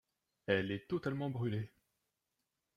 Elle est totalement brûlée.